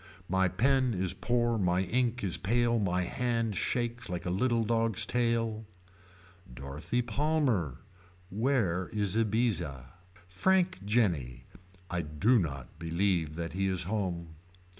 My pen is poor my ink is pale my hand shakes like a little dog's tail. Dorothy Palmer. Where is Ibizza. Frank Jenny. I do not believe that he is home.